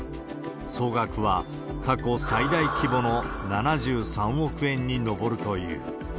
総額は過去最大規模の７３億円に上るという。